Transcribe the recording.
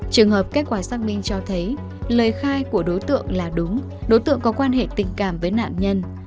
trường hợp kết quả xác minh cho thấy lời khai của đối tượng là đúng đối tượng có quan hệ tình cảm với nạn nhân